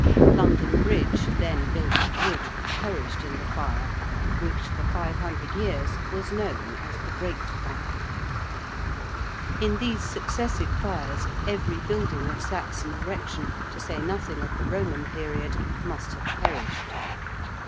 London Bridge, then built of wood, perished in the fire, which for five hundred years was known as the Great Fire. In these successive fires every building of Saxon erection, to say nothing of the Roman period, must have perished.